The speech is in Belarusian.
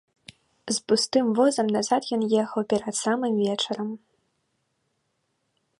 З пустым возам назад ён ехаў перад самым вечарам.